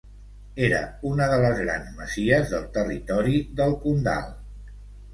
Era una de les grans masies del territori del Condal.